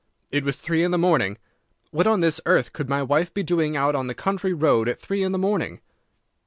It was three in the morning. What on this earth could my wife be doing out on the country road at three in the morning?